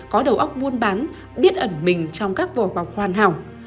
có đầu óc buôn bán biết ẩn mình trong các vò bọc hoàn hảo